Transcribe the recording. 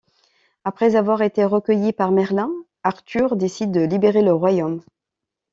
Après avoir été recueilli par Merlin, Arthur décide de libérer le royaume.